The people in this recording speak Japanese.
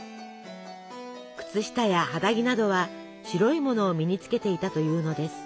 靴下や肌着などは白いものを身につけていたというのです。